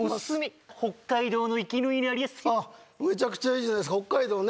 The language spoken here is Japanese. めちゃくちゃいいじゃないですか北海道ね